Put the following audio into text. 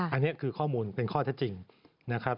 อันนี้คือข้อมูลเป็นข้อเท็จจริงนะครับ